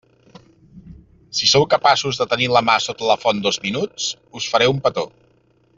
Si sou capaços de tenir la mà sota la font dos minuts, us faré un petó.